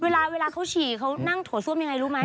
แล้วเวลาเขาฉี่เขานั่งถั่วซ่วมยังไงรู้ไหม